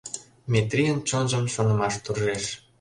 Метрийын чонжым шонымаш туржеш.